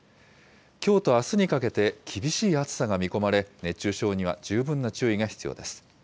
きょうとあすにかけて厳しい暑さが見込まれ、熱中症には十分な注意が必要です。